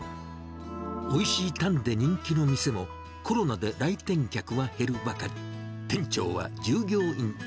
おいしいタンで人気の店も、コロナで来店客は減るばかり。